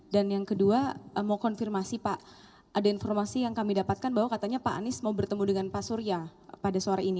yang kedua mau konfirmasi pak ada informasi yang kami dapatkan bahwa katanya pak anies mau bertemu dengan pak surya pada sore ini